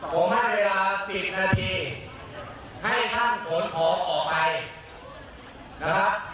ผมให้เวลา๑๐นาทีให้ท่านขนของออกไปนะครับ